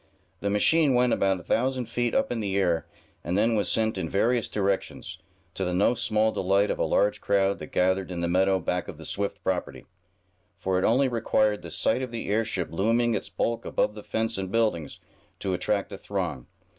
The machine went about a thousand feet up in the air, and then was sent in various directions, to the no small delight of a large crowd that gathered in the meadow back of the Swift property; for it only required the sight of the airship looming its bulk above the fence and buildings, to attract a throng.